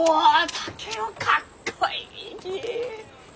竹雄かっこいいき！